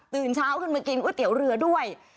เช้าขึ้นมากินก๋วยเตี๋ยวเรือด้วย